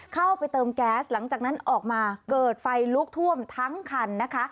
เข้าไปเติมแก๊สหลังจากนั้นออกมาเกิดไฟลุกท่วมทั้งคันนะคะ